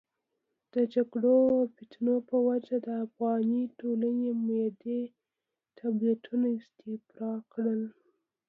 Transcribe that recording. د جګړو او فتنو په وجه د افغاني ټولنې معدې ټابلیتونه استفراق کړل.